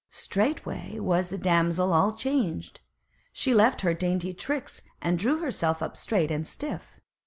Straightway was the damsel all changed; she left her dainty tricks, and drew herself up straight and stiff.